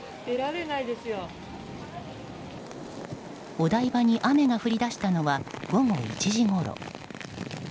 お台場に雨が降り出したのは午後１時ごろ。